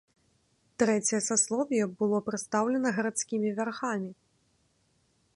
Трэцяе саслоўе было прадстаўлена гарадскімі вярхамі.